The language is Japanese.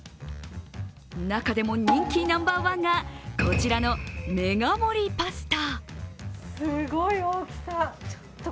中でも人気ナンバーワンが、こちらのメガ盛りパスタ。